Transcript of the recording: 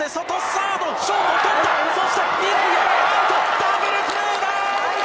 ダブルプレーだ！